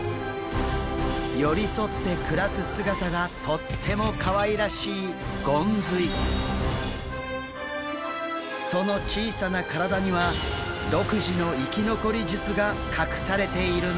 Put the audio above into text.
寄り添って暮らす姿がとってもかわいらしいその小さな体には独自の生き残り術が隠されているんです。